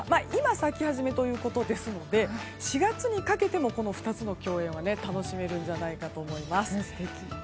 今咲き始めということですので４月にかけてもこの２つの共演は楽しめるんじゃないかと思います。